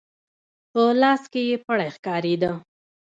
په لاس کې يې پړی ښکارېده.